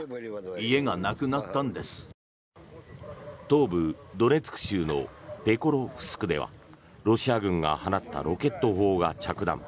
東部ドネツク州のペコロフスクではロシア軍が放ったロケット砲が着弾。